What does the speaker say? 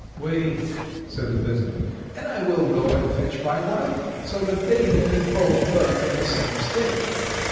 "Wait," said the peasant, "and I will go and fetch my wife, so that they may be both burned at the same stake."